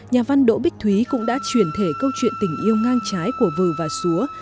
nhà văn đỗ bích thúy cũng đã truyền thể câu chuyện tình yêu ngang trái của vừa và xúa